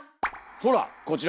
ほらこちら！